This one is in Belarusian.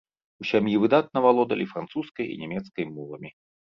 У сям'і выдатна валодалі французскай і нямецкай мовамі.